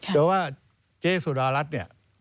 แต่ว่าเจ๊สุดารัฐเนี่ย